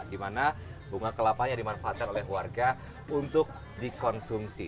dimana bunga kelapanya dimanfaatkan oleh warga untuk dikonsumsi